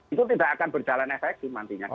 itu tidak akan berjalan efek sih nantinya gitu